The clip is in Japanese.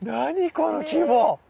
この規模！